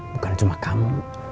bukan cuma kamu